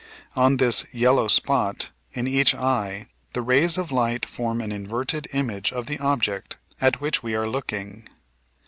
On this "yellow spot" in each eye the rays of light form an inverted image of the object at which we are looking.